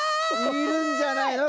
いるんじゃないの？